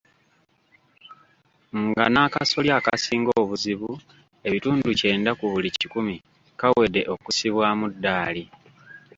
Nga n'akasolya akasinga obuzibu ebitundu kyenda ku buli kikumi kawedde okussibwamu Ddaali